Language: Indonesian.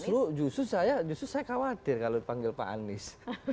justru saya khawatir kalau dipanggil pak anies